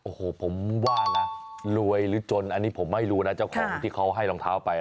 โอ้โหผมว่านะรวยหรือจนอันนี้ผมไม่รู้นะเจ้าของที่เขาให้รองเท้าไป